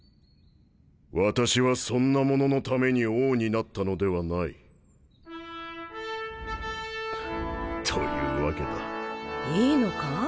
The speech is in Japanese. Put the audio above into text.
私はそんなもののために王になったのではないというわけだ。いいのか？